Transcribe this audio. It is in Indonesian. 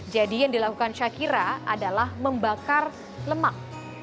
jadi yang dilakukan shakira adalah membakar lemak